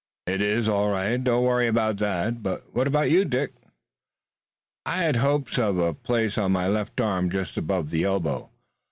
"It is, all right. Don't worry about that. But what about you, Dick?" "I had hopes of a place on my left arm just above the elbow.